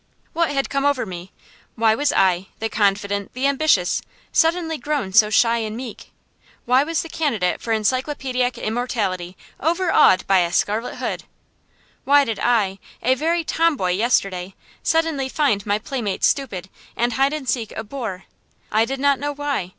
What had come over me? Why was I, the confident, the ambitious, suddenly grown so shy and meek? Why was the candidate for encyclopædic immortality overawed by a scarlet hood? Why did I, a very tomboy yesterday, suddenly find my playmates stupid, and hide and seek a bore? I did not know why.